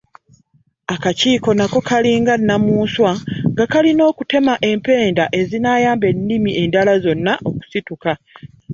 Akakiiko nako kalinga nnamunswa nga kalina okutema empenda ezinaayamba ennimi endala zonna okusituka.